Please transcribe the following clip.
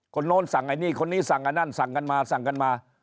โน้นสั่งไอ้นี่คนนี้สั่งอันนั้นสั่งกันมาสั่งกันมา